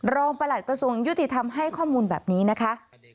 ประหลัดกระทรวงยุติธรรมให้ข้อมูลแบบนี้นะคะ